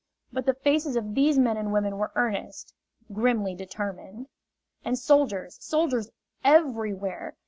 But the faces of these men and women were earnest, grimly determined. And soldiers, soldiers everywhere!